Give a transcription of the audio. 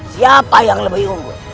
siapa yang lebih unggul